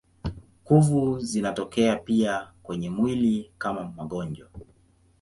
Kuvu zinatokea pia kwenye mwili kama magonjwa.